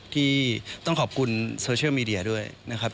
ที่ต้องขอบคุณโซเชียลมีเดียด้วยนะครับ